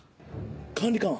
管理官。